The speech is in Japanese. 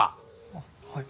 あっはい。